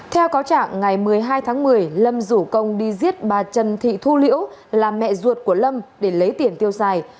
theo cáo trạng ngày một mươi hai tháng một mươi lâm rủ công đi giết bà trần thị thu liễu là mẹ ruột của lâm để lấy tiền tiêu xài